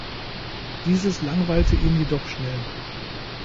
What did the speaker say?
Dieses langweilte ihn jedoch schnell.